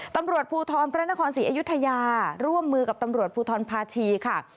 ตำรวจภูทรพระนครศรีอยุธยาร่วมมือกับตำรวจภูทรภาชีค่ะ